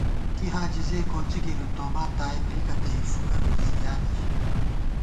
کی حاجزے کوڅی گِرِؤ، توبا تائب بِکہ تئ فُکہ بی ݪِیانے ژِی